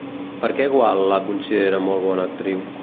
Per què Gual la considera molt bona actriu?